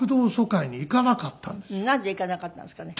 なんで行かなかったんですかね？